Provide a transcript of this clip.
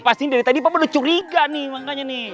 pasti dari tadi bapak udah curiga nih makanya nih